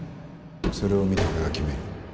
それを見て俺が決める。